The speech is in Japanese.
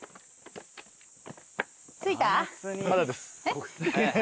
まだです。